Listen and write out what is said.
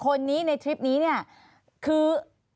๒๔คนนี้ในทริปนี้คือ